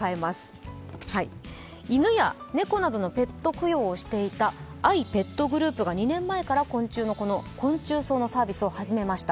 犬や猫などのペッ特養をしていた愛ペットグループが２年前から昆虫の昆虫葬のサービスを始めました。